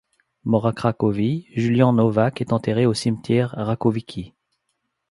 Mort à Cracovie, Julian Nowak est enterré au Cimetière Rakowicki.